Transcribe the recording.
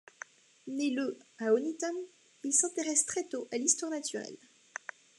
Né le à Honiton, il s'intéresse très tôt à l'histoire naturelle.